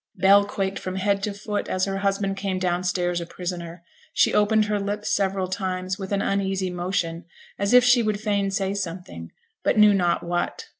Bell quaked from head to foot as her husband came down stairs a prisoner. She opened her lips several times with an uneasy motion, as if she would fain say something, but knew not what.